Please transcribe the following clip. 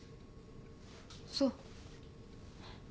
そう。